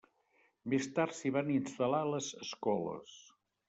Més tard s'hi van instal·lar les escoles.